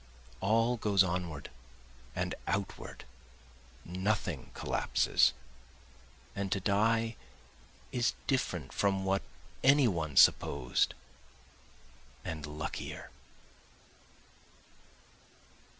All goes onward and outward, nothing collapses, And to die is different from what any one supposed, and luckier.